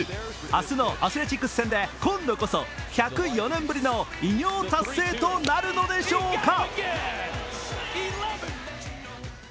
明日のアスレチックス戦で今度こそ、１０４年ぶりの偉業達成となるのでしょうか。